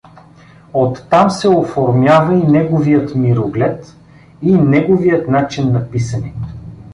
Оттам се оформява и неговият мироглед, и неговият начин на писане.